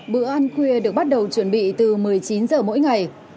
bữa ăn khuya được bắt đầu chuẩn bị từ một mươi chín h mỗi ngày